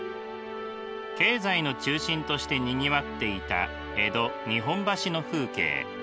経済の中心としてにぎわっていた江戸日本橋の風景。